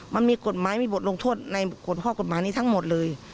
มันมีกฎหมายมีบทลงโทษในกฎข้อกฎหมายนี้ทั้งหมดเลย